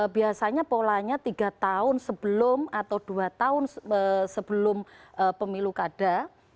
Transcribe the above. biasanya polanya tiga tahun sebelum atau dua tahun sebelum pemilu kada